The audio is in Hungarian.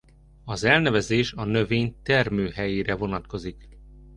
Az elnevezés a növény termőhelyére vonatkozik.